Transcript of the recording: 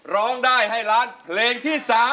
ร้องได้ให้ล้านเพลงที่๓